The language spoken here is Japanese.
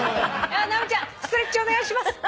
直美ちゃんストレッチお願いします。